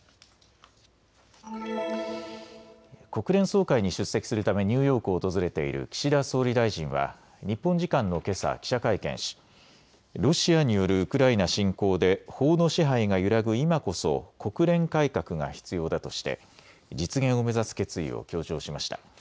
国連総会に出席するためニューヨークを訪れている岸田総理大臣は日本時間のけさ記者会見しロシアによるウクライナ侵攻で法の支配が揺らぐ今こそ国連改革が必要だとして実現を目指す決意を強調しました。